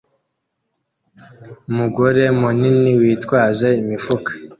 Umugore munini witwaje imifuka